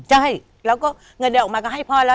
ใช่แล้วก็เงินเดือนออกมาก็ให้พ่อแล้ว